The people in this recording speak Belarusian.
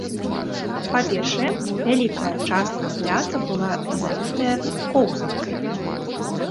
Па-першае, вялікая частка пляца была залітая коўзанкай.